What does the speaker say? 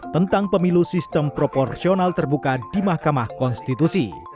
tentang pemilu sistem proporsional terbuka di mahkamah konstitusi